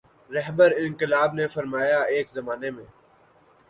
رہبرانقلاب نے فرمایا ایک زمانے میں